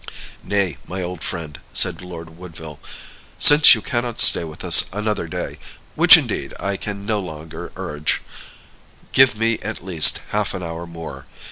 "Nay, my old friend," said Lord Woodville; "since you cannot stay with us another day which, indeed, I can no longer urge give me at least half an hour more.